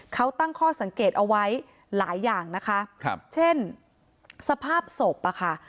เขาตั้งข้อสังเกตเอาไว้หลายอย่างนะคะครับเช่นสภาพศพอะค่ะ